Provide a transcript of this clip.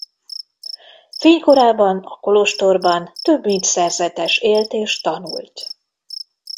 Fénykorában a kolostorban több mint szerzetes élt és tanult.